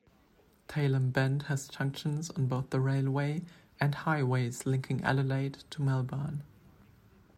Tailem Bend has junctions on both the railway and highways linking Adelaide to Melbourne.